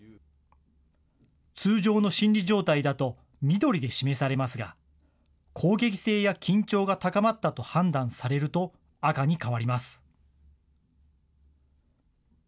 通常の心理状態だと緑で示されますが、攻撃性や緊張が高まったと判断されると赤に変わります。